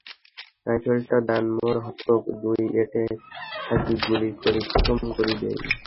রাইফেলটা দ্যান মোর হাতত, মুই এটে থাকি গুলি করি খতম করি দেই।